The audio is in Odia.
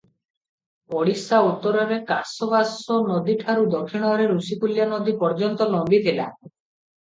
ଓଡିଶା ଉତ୍ତରରେ କାଶବାଶନଦୀଠାରୁ ଦକ୍ଷିଣରେ ଋଷିକୁଲ୍ୟାନଦୀ ପର୍ଯ୍ୟନ୍ତ ଲମ୍ବିଥିଲା ।